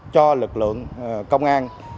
cho lực lượng công an